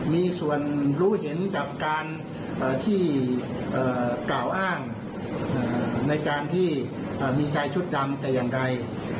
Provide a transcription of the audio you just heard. มีส่วนรู้เห็นกับการที่กล่าวอ้างในการที่มีชายชุดดำแต่อย่างใด